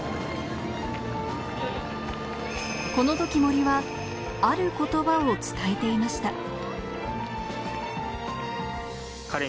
この時、森はある言葉を伝えていました。